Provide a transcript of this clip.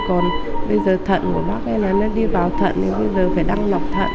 còn bây giờ thận của bác ấy là nó đi vào thận thì bây giờ phải đăng lọc thận